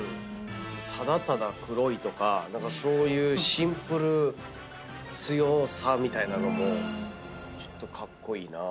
ただただ黒いとか何かそういうシンプル強さみたいなのもちょっとカッコイイなぁ。